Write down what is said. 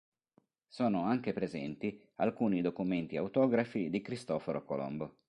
Sono anche presenti alcuni documenti autografi di Cristoforo Colombo.